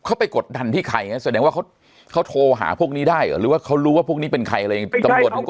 เขาไปกดดันที่ใครแสดงว่าเขาโทรหาพวกนี้ได้เหรอหรือว่าเขารู้ว่าพวกนี้เป็นใครอะไรอย่างนี้